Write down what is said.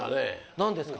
何ですか？